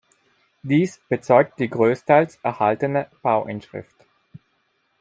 Dies bezeugt die großteils erhaltene Bauinschrift.